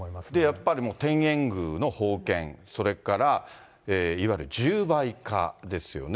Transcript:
やっぱり、天苑宮の奉献、それからいわゆる十倍化ですよね。